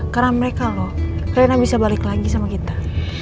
karena mereka loh kalian bisa balik lagi sama kita